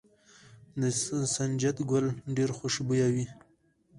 د سنجد ګل ډیر خوشبويه وي.